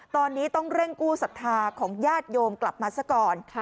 ตอนนี้ต้องเร่งกู้ศรัทธาของญาติโยมกลับมาซะก่อน